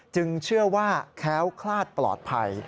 เชื่อว่าแค้วคลาดปลอดภัย